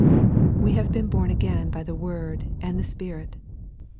We have been bom agEiin by the Word fnd the Spirit.